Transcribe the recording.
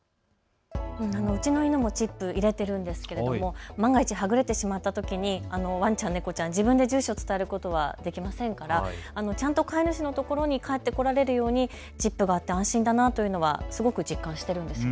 うちの犬もチップを入れているんですけれども万が一はぐれてしまったときにワンちゃん、猫ちゃん自分で住所を伝えることはできませんから、ちゃんと飼い主の所に帰ってこられるようにチップがあると安心だなとすごく実感しているんです。